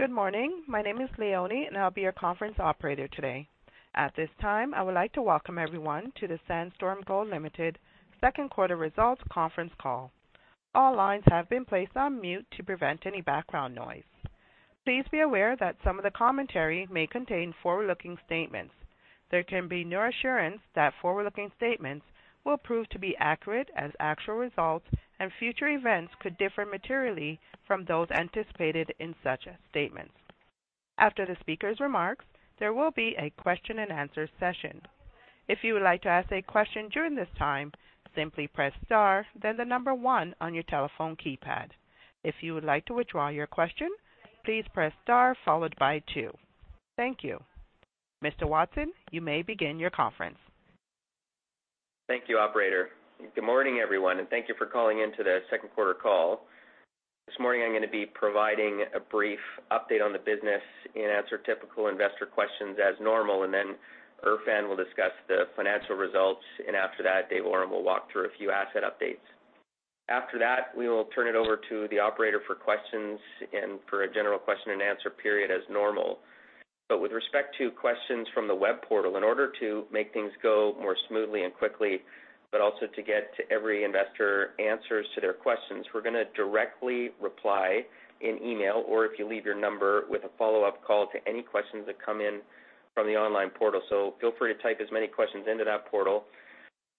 Good morning. My name is Leonie. I'll be your conference operator today. At this time, I would like to welcome everyone to the Sandstorm Gold Ltd. second quarter results conference call. All lines have been placed on mute to prevent any background noise. Please be aware that some of the commentary may contain forward-looking statements. There can be no assurance that forward-looking statements will prove to be accurate as actual results, future events could differ materially from those anticipated in such statements. After the speaker's remarks, there will be a question and answer session. If you would like to ask a question during this time, simply press star, then the number one on your telephone keypad. If you would like to withdraw your question, please press star followed by two. Thank you. Mr. Watson, you may begin your conference. Thank you, operator. Good morning, everyone. Thank you for calling in to the second quarter call. This morning, I'm going to be providing a brief update on the business answer typical investor questions as normal. Erfan will discuss the financial results. After that, Dave Awram will walk through a few asset updates. After that, we will turn it over to the operator for questions for a general question and answer period as normal. With respect to questions from the web portal, in order to make things go more smoothly and quickly, but also to get to every investor answers to their questions, we're going to directly reply in email or if you leave your number with a follow-up call to any questions that come in from the online portal. Feel free to type as many questions into that portal.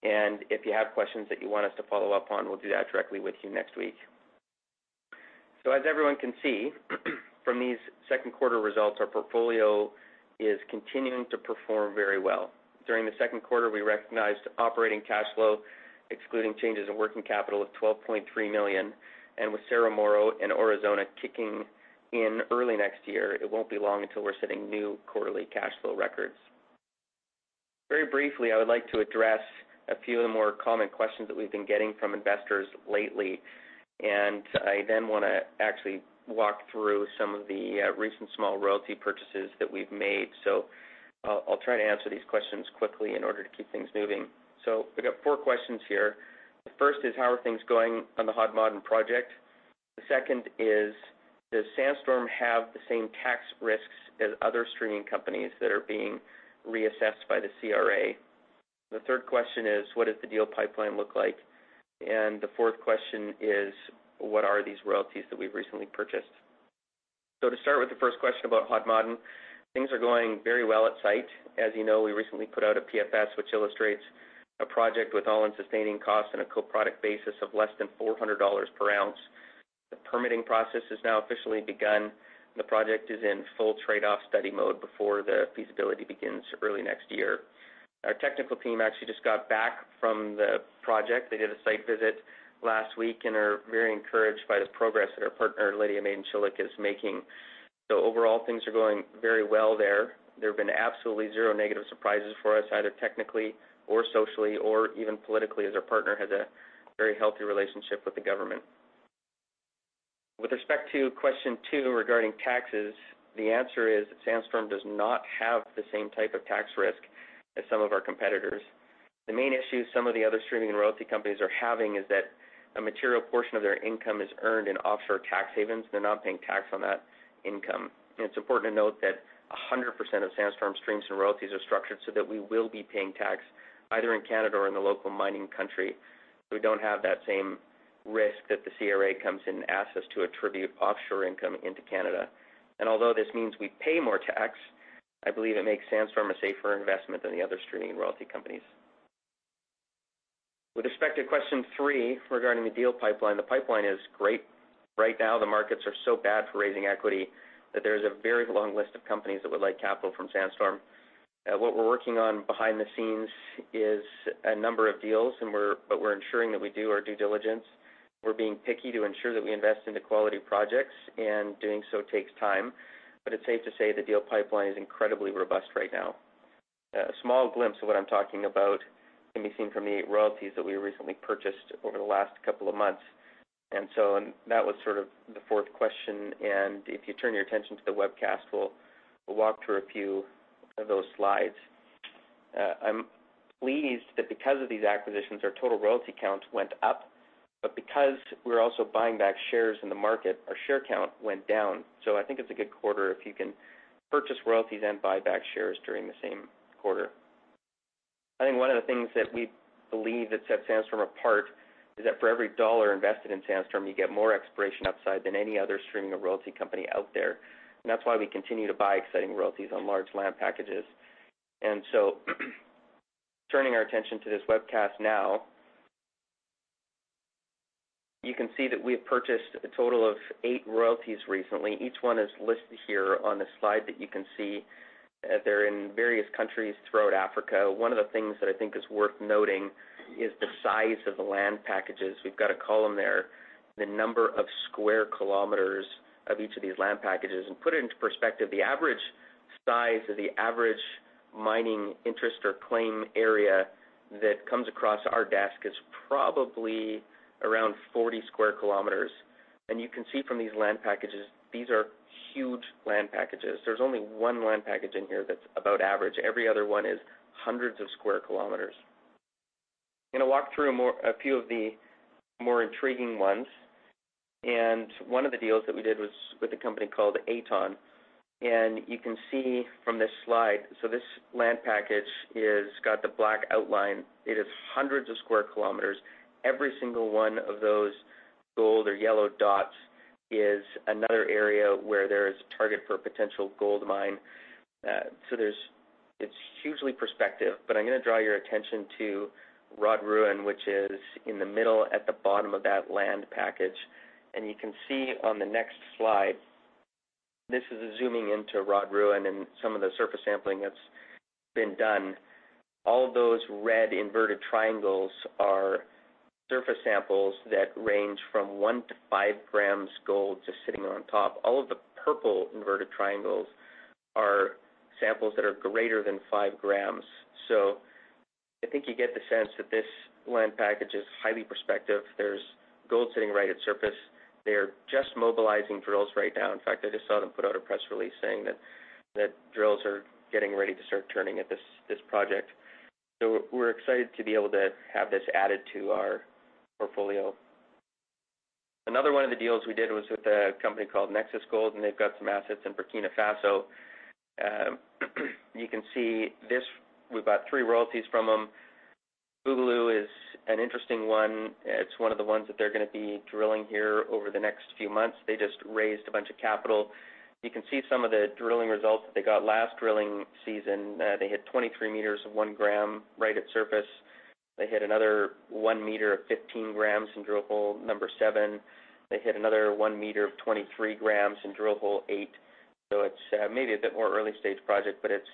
If you have questions that you want us to follow up on, we'll do that directly with you next week. As everyone can see, from these second quarter results, our portfolio is continuing to perform very well. During the second quarter, we recognized operating cash flow, excluding changes in working capital of $12.3 million. With Cerro Moro and Aurizona kicking in early next year, it won't be long until we're setting new quarterly cash flow records. Very briefly, I would like to address a few of the more common questions that we've been getting from investors lately. I then want to actually walk through some of the recent small royalty purchases that we've made. I'll try to answer these questions quickly in order to keep things moving. We've got four questions here. The first is, "How are things going on the Hod Maden project?" The second is, "Does Sandstorm have the same tax risks as other streaming companies that are being reassessed by the CRA?" The third question is, "What does the deal pipeline look like?" The fourth question is, "What are these royalties that we've recently purchased?" To start with the first question about Hod Maden, things are going very well at site. As you know, we recently put out a PFS, which illustrates a project with all-in sustaining costs on a co-product basis of less than $400 per ounce. The permitting process has now officially begun. The project is in full trade-off study mode before the feasibility begins early next year. Our technical team actually just got back from the project. They did a site visit last week and are very encouraged by the progress that our partner, Lidya Madencilik, is making. Overall, things are going very well there. There have been absolutely zero negative surprises for us, either technically or socially or even politically, as our partner has a very healthy relationship with the government. With respect to question two regarding taxes, the answer is Sandstorm does not have the same type of tax risk as some of our competitors. The main issue some of the other streaming and royalty companies are having is that a material portion of their income is earned in offshore tax havens. They're not paying tax on that income. It's important to note that 100% of Sandstorm streams and royalties are structured so that we will be paying tax either in Canada or in the local mining country. We don't have that same risk that the CRA comes in and asks us to attribute offshore income into Canada. Although this means we pay more tax, I believe it makes Sandstorm a safer investment than the other streaming royalty companies. With respect to question three regarding the deal pipeline, the pipeline is great. Right now, the markets are so bad for raising equity that there's a very long list of companies that would like capital from Sandstorm. What we're working on behind the scenes is a number of deals, but we're ensuring that we do our due diligence. We're being picky to ensure that we invest into quality projects, and doing so takes time. It's safe to say the deal pipeline is incredibly robust right now. A small glimpse of what I'm talking about can be seen from the eight royalties that we recently purchased over the last couple of months. That was sort of the fourth question, and if you turn your attention to the webcast, we'll walk through a few of those slides. I'm pleased that because of these acquisitions, our total royalty count went up, but because we're also buying back shares in the market, our share count went down. I think it's a good quarter if you can purchase royalties and buy back shares during the same quarter. I think one of the things that we believe that sets Sandstorm apart is that for every $1 invested in Sandstorm, you get more exploration upside than any other streaming or royalty company out there. That's why we continue to buy exciting royalties on large land packages. Turning our attention to this webcast now, you can see that we have purchased a total of eight royalties recently. Each one is listed here on the slide that you can see. They're in various countries throughout Africa. One of the things that I think is worth noting is the size of the land packages. We've got a column there, the number of square kilometers of each of these land packages. Put it into perspective, the average size of the average mining interest or claim area that comes across our desk is probably around 40 square kilometers. You can see from these land packages, these are huge land packages. There's only one land package in here that's about average. Every other one is hundreds of square kilometers. I'm going to walk through a few of the more intriguing ones. One of the deals that we did was with a company called Aton, you can see from this slide, this land package is got the black outline. It is hundreds of square kilometers. Every single one of those gold or yellow dots is another area where there is a target for a potential gold mine. It's hugely prospective, but I'm going to draw your attention to Rodruin, which is in the middle at the bottom of that land package. You can see on the next slide, this is zooming into Rodruin and some of the surface sampling that's been done. All those red inverted triangles are surface samples that range from one to five grams gold just sitting on top. All of the purple inverted triangles are samples that are greater than five grams. I think you get the sense that this land package is highly prospective. There's gold sitting right at surface. They are just mobilizing drills right now. In fact, I just saw them put out a press release saying that drills are getting ready to start turning at this project. We're excited to be able to have this added to our portfolio. Another one of the deals we did was with a company called Nexus Gold, they've got some assets in Burkina Faso. You can see this, we bought three royalties from them. Bouboulou is an interesting one. It's one of the ones that they're going to be drilling here over the next few months. They just raised a bunch of capital. You can see some of the drilling results that they got last drilling season. They hit 23 meters of one gram right at surface. They hit another one meter of 15 grams in drill hole number 7. They hit another one meter of 23 grams in drill hole 8. It's maybe a bit more early stage project, but it's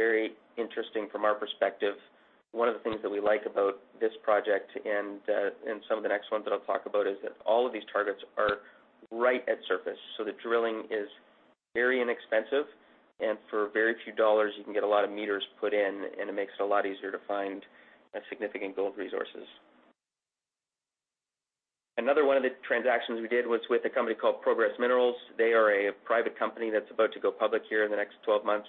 very interesting from our perspective. One of the things that we like about this project and some of the next ones that I'll talk about is that all of these targets are right at surface, so the drilling is very inexpensive, and for very few dollars, you can get a lot of meters put in, and it makes it a lot easier to find significant gold resources. Another one of the transactions we did was with a company called Progress Mining. They are a private company that's about to go public here in the next 12 months,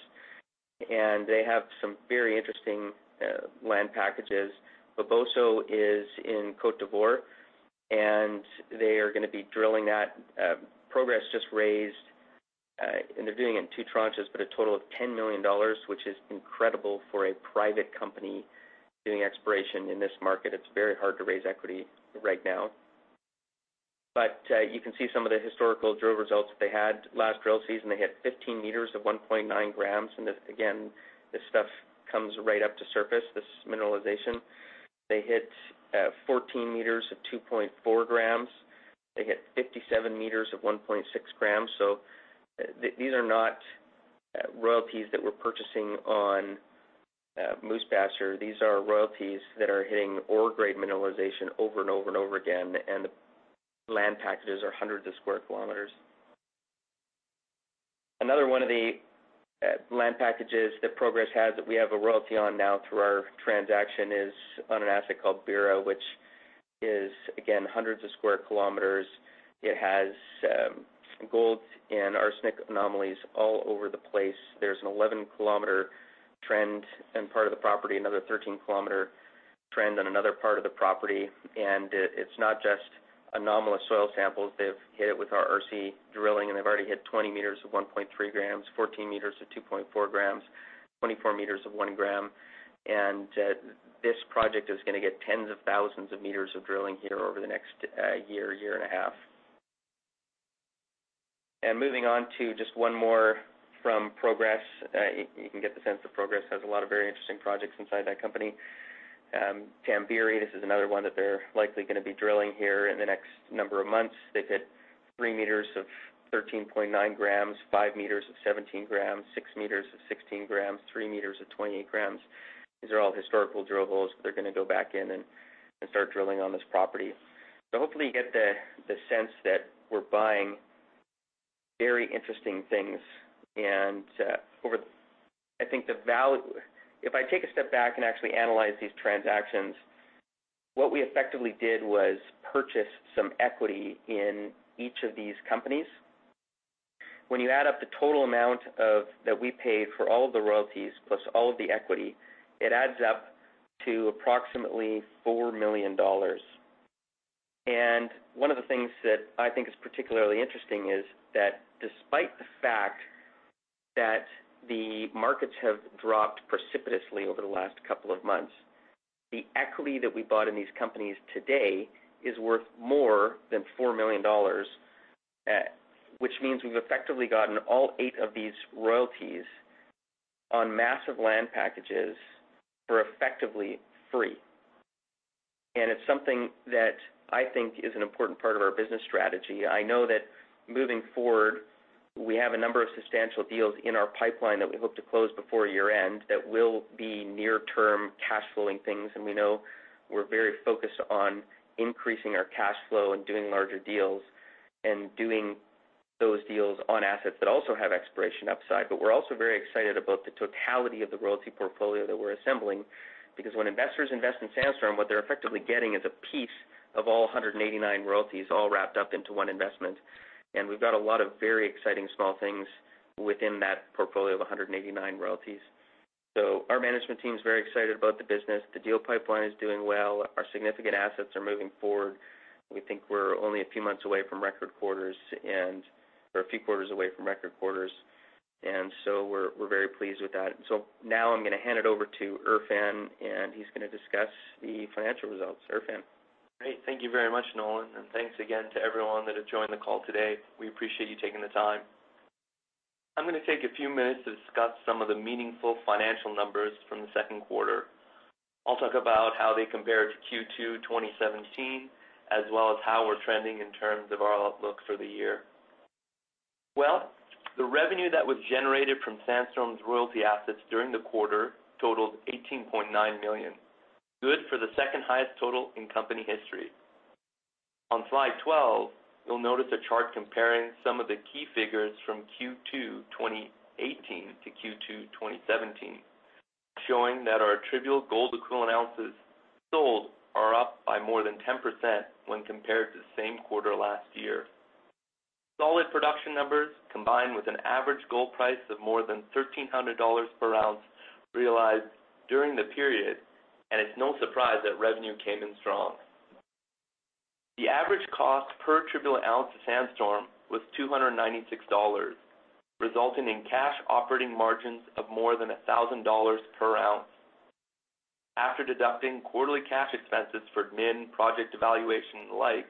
they have some very interesting land packages. Bobosso is in Côte d'Ivoire, they are going to be drilling that. Progress just raised, and they're doing it in two tranches, but a total of $10 million, which is incredible for a private company doing exploration in this market. It's very hard to raise equity right now. You can see some of the historical drill results that they had last drill season. They hit 15 meters of 1.9 grams. Again, this stuff comes right up to surface, this mineralization. They hit 14 meters of 2.4 grams. They hit 57 meters of 1.6 grams. These are not royalties that we're purchasing on moose pasture. These are royalties that are hitting ore grade mineralization over and over and over again, and the land packages are hundreds of square kilometers. Another one of the land packages that Progress has that we have a royalty on now through our transaction is on an asset called Biro, which is, again, hundreds of square kilometers. It has gold and arsenic anomalies all over the place. There's an 11-kilometer trend in part of the property, another 13-kilometer trend on another part of the property. It's not just anomalous soil samples. They've hit it with our RC drilling, and they've already hit 20 meters of 1.3 grams, 14 meters of 2.4 grams, 24 meters of one gram. This project is going to get tens of thousands of meters of drilling here over the next year and a half. Moving on to just one more from Progress. You can get the sense that Progress has a lot of very interesting projects inside that company. Tambiri, this is another one that they're likely going to be drilling here in the next number of months. They've hit three meters of 13.9 grams, five meters of 17 grams, six meters of 16 grams, three meters of 28 grams. These are all historical drill holes, but they're going to go back in and start drilling on this property. Hopefully, you get the sense that we're buying very interesting things. I think the value. If I take a step back and actually analyze these transactions, what we effectively did was purchase some equity in each of these companies. When you add up the total amount that we paid for all of the royalties plus all of the equity, it adds up to approximately $4 million. One of the things that I think is particularly interesting is that despite the fact that the markets have dropped precipitously over the last couple of months, the equity that we bought in these companies today is worth more than $4 million, which means we've effectively gotten all eight of these royalties on massive land packages for effectively free. It's something that I think is an important part of our business strategy. I know that moving forward, we have a number of substantial deals in our pipeline that we hope to close before year-end that will be near-term cash flowing things. We know we're very focused on increasing our cash flow and doing larger deals. Doing those deals on assets that also have exploration upside. We're also very excited about the totality of the royalty portfolio that we're assembling, because when investors invest in Sandstorm, what they're effectively getting is a piece of all 189 royalties all wrapped up into one investment. We've got a lot of very exciting small things within that portfolio of 189 royalties. Our management team is very excited about the business. The deal pipeline is doing well. Our significant assets are moving forward. We think we're only a few months away from record quarters or a few quarters away from record quarters, and so we're very pleased with that. Now I'm going to hand it over to Irfan, and he's going to discuss the financial results. Irfan? Great. Thank you very much, Nolan, and thanks again to everyone that has joined the call today. We appreciate you taking the time. I'm going to take a few minutes to discuss some of the meaningful financial numbers from the second quarter. I'll talk about how they compare to Q2 2017, as well as how we're trending in terms of our outlook for the year. The revenue that was generated from Sandstorm's royalty assets during the quarter totaled $18.9 million, good for the second highest total in company history. On slide 12, you'll notice a chart comparing some of the key figures from Q2 2018 to Q2 2017, showing that our attributable gold equivalent ounces sold are up by more than 10% when compared to the same quarter last year. Solid production numbers, combined with an average gold price of more than $1,300 per ounce realized during the period, it's no surprise that revenue came in strong. The average cost per attributable ounce to Sandstorm was $296, resulting in cash operating margins of more than $1,000 per ounce. After deducting quarterly cash expenses for admin, project evaluation, and the like,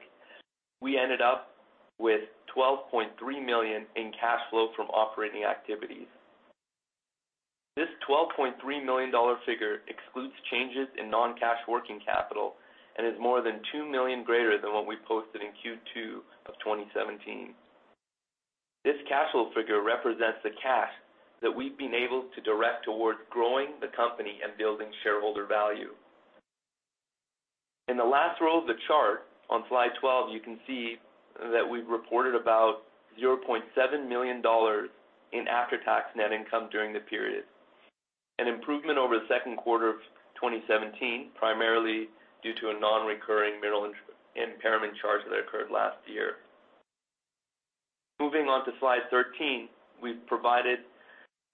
we ended up with $12.3 million in cash flow from operating activities. This $12.3 million figure excludes changes in non-cash working capital and is more than $2 million greater than what we posted in Q2 of 2017. This cash flow figure represents the cash that we've been able to direct toward growing the company and building shareholder value. In the last row of the chart on slide 12, you can see that we've reported about $0.7 million in after-tax net income during the period, an improvement over the second quarter of 2017, primarily due to a non-recurring mineral impairment charge that occurred last year. Moving on to slide 13, we've provided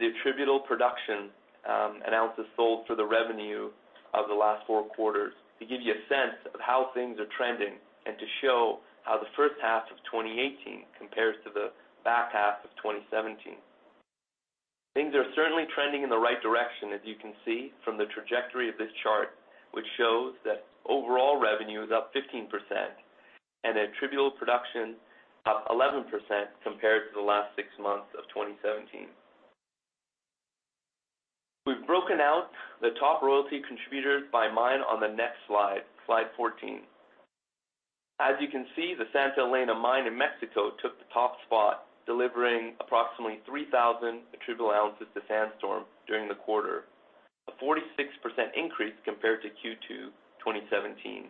the attributable production and ounces sold for the revenue of the last four quarters to give you a sense of how things are trending and to show how the first half of 2018 compares to the back half of 2017. Things are certainly trending in the right direction, as you can see from the trajectory of this chart, which shows that overall revenue is up 15% and attributable production up 11% compared to the last six months of 2017. We've broken out the top royalty contributors by mine on the next slide 14. As you can see, the Santa Elena mine in Mexico took the top spot, delivering approximately 3,000 attributable ounces to Sandstorm during the quarter, a 46% increase compared to Q2 2017.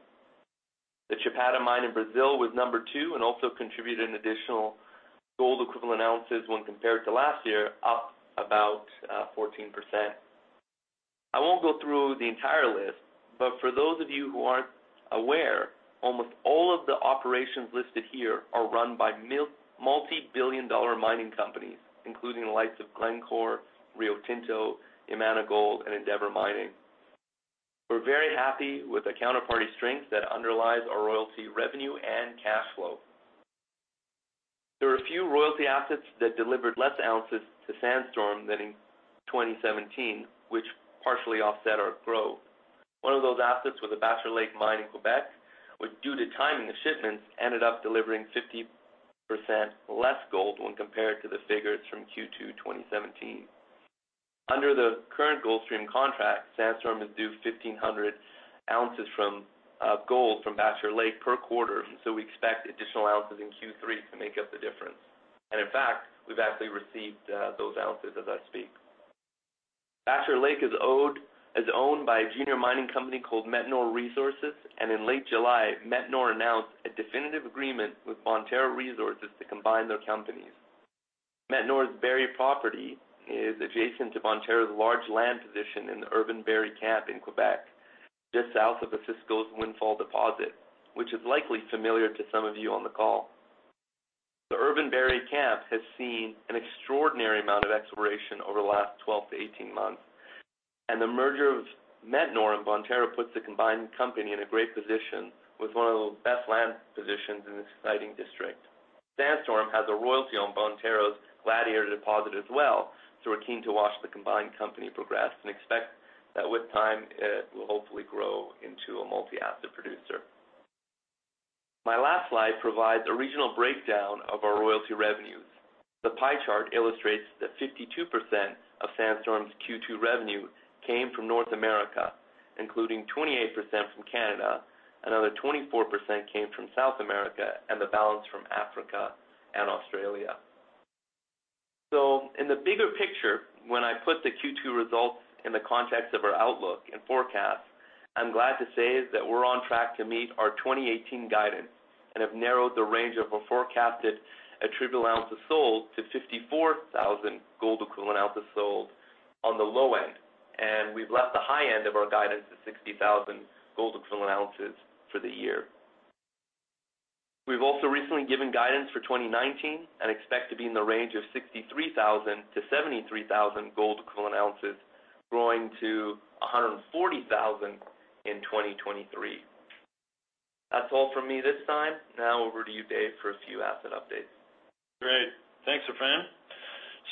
The Chapada mine in Brazil was number 2 and also contributed an additional gold equivalent ounces when compared to last year, up about 14%. I won't go through the entire list, but for those of you who aren't aware, almost all of the operations listed here are run by multi-billion dollar mining companies, including the likes of Glencore, Rio Tinto, Yamana Gold, and Endeavour Mining. We're very happy with the counterparty strength that underlies our royalty revenue and cash flow. There are a few royalty assets that delivered less ounces to Sandstorm than in 2017, which partially offset our growth. One of those assets was the Bachelor Lake mine in Quebec, which, due to timing shipments, ended up delivering 50% less gold when compared to the figures from Q2 2017. Under the current gold stream contract, Sandstorm is due 1,500 ounces of gold from Bachelor Lake per quarter. We expect additional ounces in Q3 to make up the difference. In fact, we've actually received those ounces as I speak. Bachelor Lake is owned by a junior mining company called Metanor Resources, and in late July, Metanor announced a definitive agreement with Bonterra Resources to combine their companies. Metanor's Barry property is adjacent to Bonterra's large land position in the Urban-Barry Camp in Quebec, just south of the Osisko-Windfall Deposit, which is likely familiar to some of you on the call. The Urban-Barry Camp has seen an extraordinary amount of exploration over the last 12 to 18 months. The merger of Metanor and Bonterra puts the combined company in a great position with one of the best land positions in this exciting district. Sandstorm has a royalty on Bonterra's Gladiator deposit as well. We're keen to watch the combined company progress and expect that with time, it will hopefully grow into a multi-asset producer. My last slide provides a regional breakdown of our royalty revenues. The pie chart illustrates that 52% of Sandstorm's Q2 revenue came from North America, including 28% from Canada. Another 24% came from South America and the balance from Africa and Australia. In the bigger picture, when I put the Q2 results in the context of our outlook and forecast, I'm glad to say that we're on track to meet our 2018 guidance and have narrowed the range of our forecasted attributable ounces sold to 54,000 gold equivalent ounces sold on the low end. We've left the high end of our guidance to 60,000 gold equivalent ounces for the year. We've also recently given guidance for 2019 and expect to be in the range of 63,000 to 73,000 gold equivalent ounces, growing to 140,000 in 2023. That's all from me this time. Now over to you, Dave, for a few asset updates. Great. Thanks,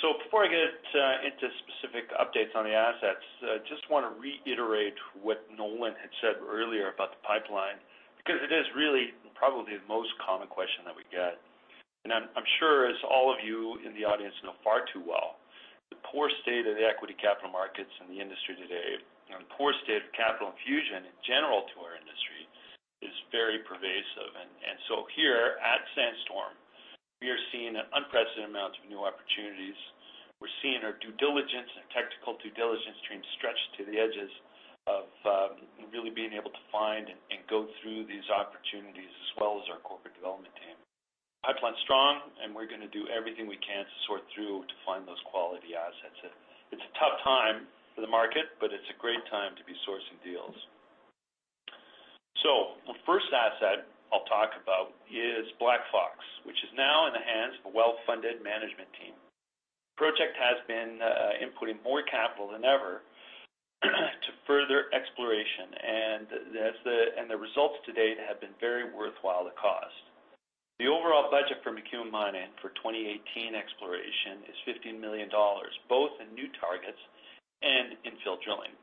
Erfan. Before I get into specific updates on the assets, I just want to reiterate what Nolan had said earlier about the pipeline. It is really probably the most common question that we get. I'm sure as all of you in the audience know far too well, the poor state of the equity capital markets in the industry today. The poor state of capital infusion in general to our industry is very pervasive. Here at Sandstorm, we are seeing an unprecedented amount of new opportunities. We're seeing our due diligence and technical due diligence teams stretched to the edges of really being able to find and go through these opportunities as well as our corporate development team. Pipeline's strong. We're going to do everything we can to sort through to find those quality assets. It's a tough time for the market, but it's a great time to be sourcing deals. The first asset I'll talk about is Black Fox, which is now in the hands of a well-funded management team. Project has been inputting more capital than ever to further exploration, and the results to date have been very worthwhile the cost. The overall budget for McEwen Mining for 2018 exploration is $15 million, both in new targets and infill drilling.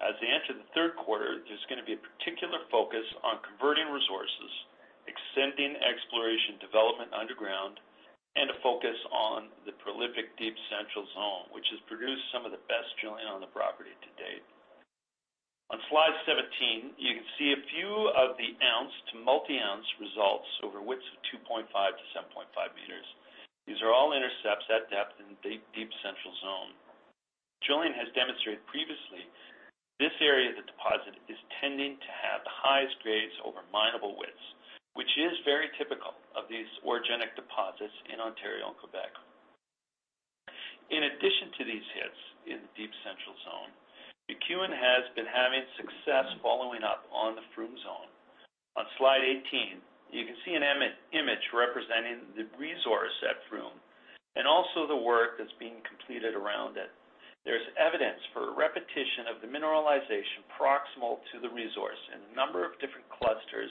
As we enter the third quarter, there's going to be a particular focus on converting resources, extending exploration development underground, and a focus on the prolific Deep Central Zone, which has produced some of the best drilling on the property to date. On slide 17, you can see a few of the ounce to multi-ounce results over widths of 2.5 to 7.5 meters. These are all intercepts at depth in the Deep Central Zone. Drilling has demonstrated previously this area of the deposit is tending to have the highest grades over mineable widths, which is very typical of these orogenic deposits in Ontario and Quebec. In addition to these hits in the Deep Central Zone, McEwen has been having success following up on the Froome Zone. On slide 18, you can see an image representing the resource at Froome and also the work that's being completed around it. There's evidence for a repetition of the mineralization proximal to the resource in a number of different clusters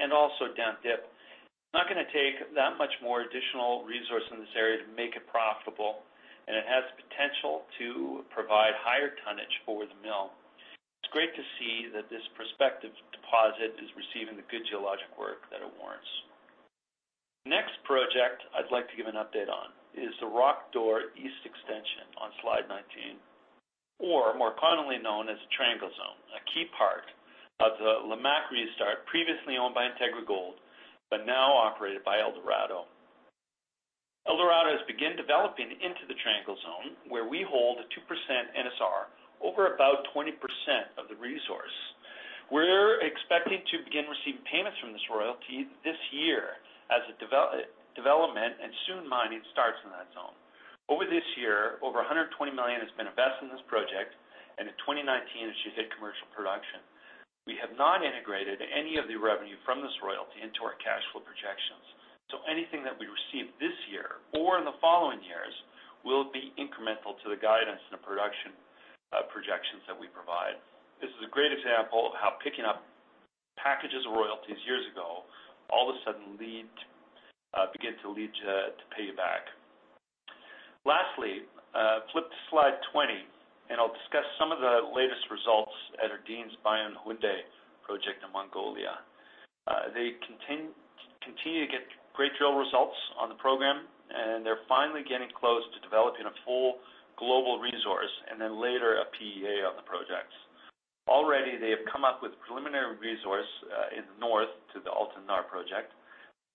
and also down dip. It's not going to take that much more additional resource in this area to make it profitable, and it has the potential to provide higher tonnage for the mill. It's great to see that this prospective deposit is receiving the good geologic work that it warrants. The next project I'd like to give an update on is the Roc d'Or East extension on slide 19, or more commonly known as the Triangle Zone, a key part of the Lamaque restart previously owned by Integra Gold, but now operated by Eldorado Gold. Eldorado Gold has begun developing into the Triangle Zone, where we hold a 2% NSR over about 20% of the resource. We're expecting to begin receiving payments from this royalty this year as the development and soon mining starts in that zone. Over this year, over $120 million has been invested in this project, and in 2019, it should hit commercial production. We have not integrated any of the revenue from this royalty into our cash flow projections. Anything that we receive this year or in the following years will be incremental to the guidance and the production projections that we provide. This is a great example of how picking up packages of royalties years ago all of a sudden begin to lead to payback. Lastly, flip to slide 20, and I'll discuss some of the latest results at Erdene-Bayan Khundii project in Mongolia. They continue to get great drill results on the program, and they're finally getting close to developing a full global resource, and then later a PEA on the project. Already, they have come up with preliminary resource in the north to the Altan Nar project.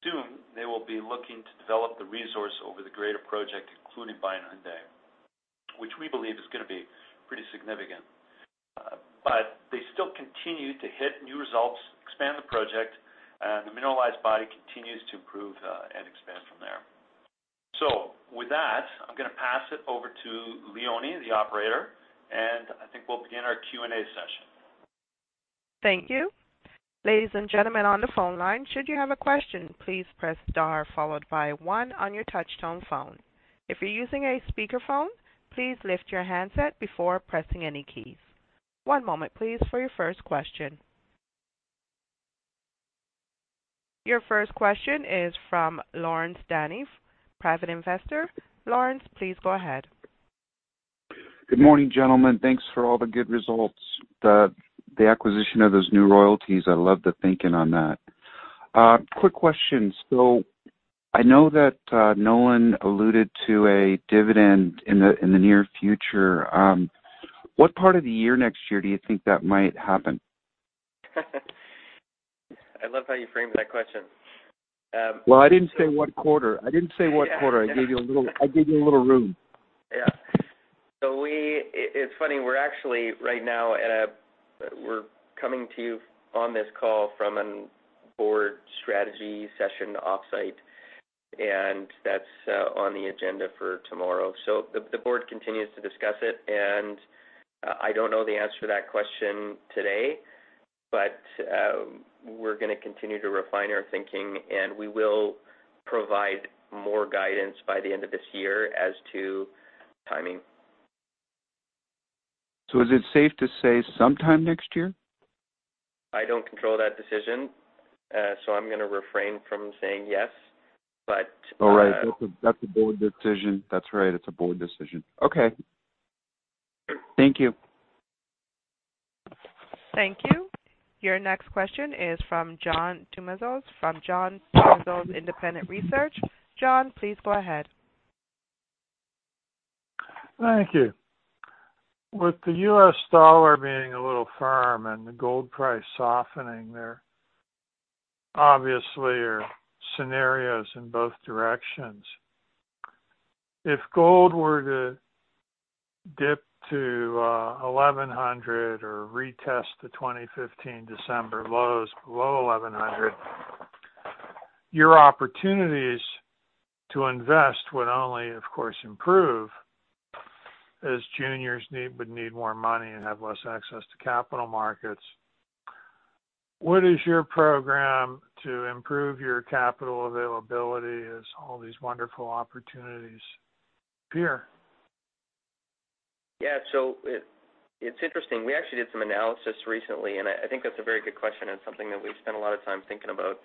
Soon, they will be looking to develop the resource over the greater project, including Bayan Khundii, which we believe is going to be pretty significant. They still continue to hit new results, expand the project, and the mineralized body continues to improve and expand from there. With that, I'm going to pass it over to Leonie, the operator, and I think we'll begin our Q&A session. Thank you. Ladies and gentlemen on the phone line, should you have a question, please press star followed by one on your touch-tone phone. If you're using a speakerphone, please lift your handset before pressing any keys. One moment, please, for your first question. Your first question is from Lawrence Danif, private investor. Lawrence, please go ahead. Good morning, gentlemen. Thanks for all the good results. The acquisition of those new royalties, I love the thinking on that. Quick question. I know that Nolan alluded to a dividend in the near future. What part of the year next year do you think that might happen? I love how you framed that question. Well, I didn't say what quarter. I didn't say what quarter. Yeah. I gave you a little room. Yeah. It's funny, we're actually right now coming to you on this call from a board strategy session offsite, and that's on the agenda for tomorrow. The board continues to discuss it, and I don't know the answer to that question today, but we're going to continue to refine our thinking, and we will provide more guidance by the end of this year as to timing. Is it safe to say sometime next year? I don't control that decision, I'm going to refrain from saying yes. Oh, right. That's a board decision. That's right, it's a board decision. Okay. Thank you. Thank you. Your next question is from John Tumazos from John Tumazos Independent Research. John, please go ahead. Thank you. With the US dollar being a little firm and the gold price softening there, obviously are scenarios in both directions. If gold were to dip to $1,100 or retest the 2015 December lows below $1,100, your opportunities to invest would only, of course, improve as juniors would need more money and have less access to capital markets. What is your program to improve your capital availability as all these wonderful opportunities appear? It's interesting. We actually did some analysis recently, and I think that's a very good question and something that we've spent a lot of time thinking about.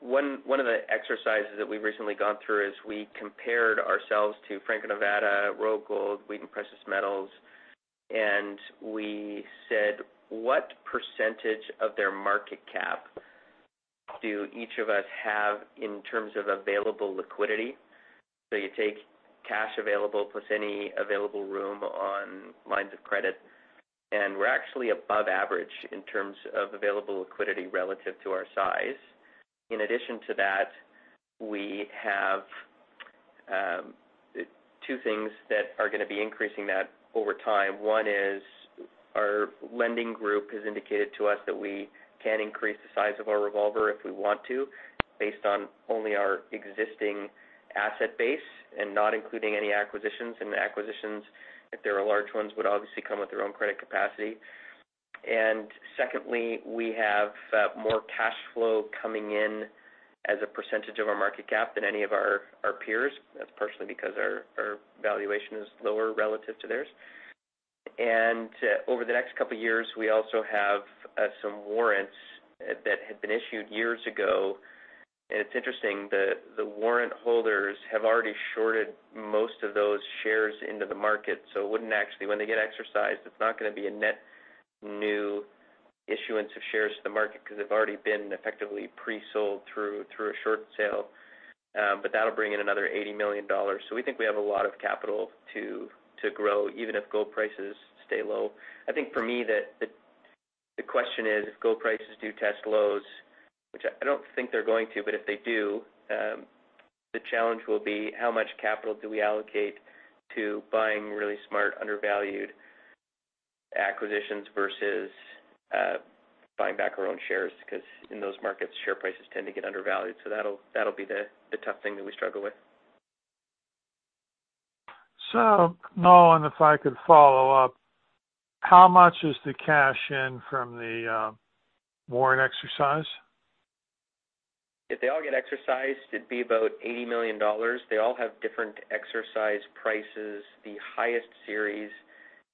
One of the exercises that we've recently gone through is we compared ourselves to Franco-Nevada, Royal Gold, Wheaton Precious Metals, and we said, what percentage of their market cap do each of us have in terms of available liquidity? You take cash available plus any available room on lines of credit, and we're actually above average in terms of available liquidity relative to our size. In addition to that, we have two things that are going to be increasing that over time. One is our lending group has indicated to us that we can increase the size of our revolver if we want to based on only our existing asset base and not including any acquisitions. Acquisitions, if there are large ones, would obviously come with their own credit capacity. Secondly, we have more cash flow coming in as a percentage of our market cap than any of our peers. That's partially because our valuation is lower relative to theirs. Over the next couple of years, we also have some warrants that had been issued years ago. It's interesting, the warrant holders have already shorted most of those shares into the market, so when they get exercised, it's not going to be a net new issuance of shares to the market because they've already been effectively pre-sold through a short sale. That'll bring in another $80 million. We think we have a lot of capital to grow, even if gold prices stay low. I think for me, the question is, if gold prices do test lows, which I don't think they're going to, but if they do, the challenge will be how much capital do we allocate to buying really smart, undervalued acquisitions versus buying back our own shares? Because in those markets, share prices tend to get undervalued. That'll be the tough thing that we struggle with. Nolan, if I could follow up, how much is the cash in from the warrant exercise? If they all get exercised, it would be about $80 million. They all have different exercise prices. The highest series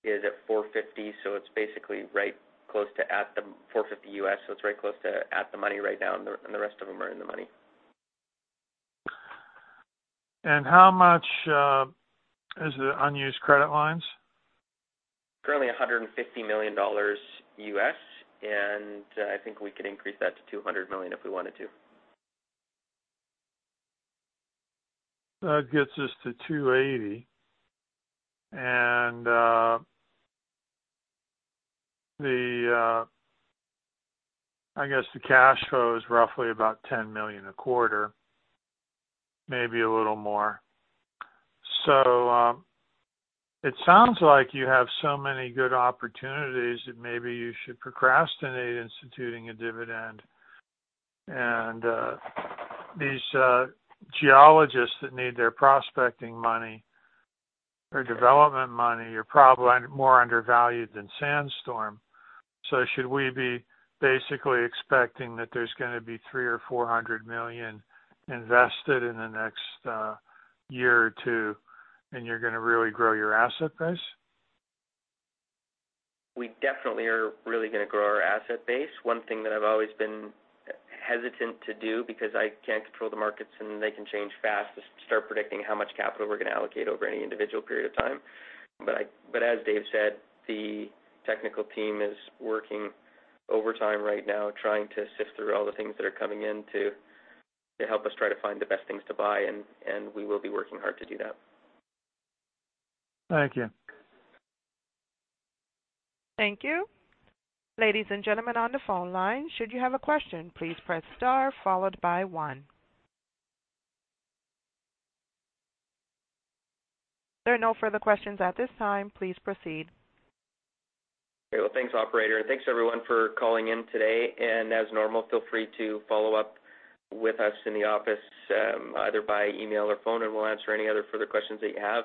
is at $4.50, it is basically right close to at the $4.50 U.S. It is very close to at the money right now, the rest of them are in the money. How much is the unused credit lines? Currently $150 million U.S., I think we could increase that to $200 million if we wanted to. That gets us to $280. I guess the cash flow is roughly about $10 million a quarter, maybe a little more. It sounds like you have so many good opportunities that maybe you should procrastinate instituting a dividend. These geologists that need their prospecting money or development money are probably more undervalued than Sandstorm. Should we be basically expecting that there is going to be $300 million-$400 million invested in the next year or two and you are going to really grow your asset base? We definitely are really going to grow our asset base. One thing that I've always been hesitant to do, because I can't control the markets and they can change fast, is to start predicting how much capital we're going to allocate over any individual period of time. As Dave said, the technical team is working overtime right now trying to sift through all the things that are coming in to help us try to find the best things to buy, and we will be working hard to do that. Thank you. Thank you. Ladies and gentlemen on the phone line, should you have a question, please press star followed by one. There are no further questions at this time. Please proceed. Okay, well, thanks, operator. Thanks everyone for calling in today. As normal, feel free to follow up with us in the office, either by email or phone, and we'll answer any other further questions that you have.